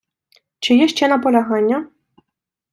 Чи є ще наполягання?